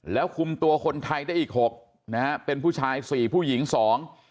แล้วคุมตัวคนไทยได้อีกหกนะฮะเป็นผู้ชายสี่ผู้หญิงสอง